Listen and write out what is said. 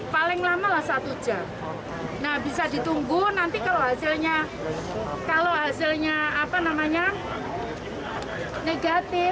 paling lama lah satu jam nah bisa ditunggu nanti kalau hasilnya negatif silahkan pulang